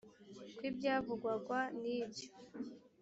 kw ibyavugwagwa n ibyo